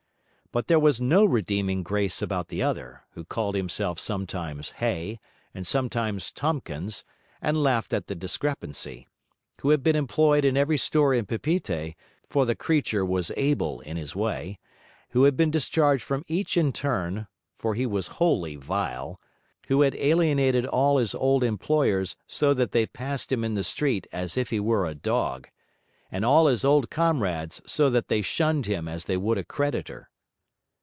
But there was no redeeming grace about the other, who called himself sometimes Hay and sometimes Tomkins, and laughed at the discrepancy; who had been employed in every store in Papeete, for the creature was able in his way; who had been discharged from each in turn, for he was wholly vile; who had alienated all his old employers so that they passed him in the street as if he were a dog, and all his old comrades so that they shunned him as they would a creditor.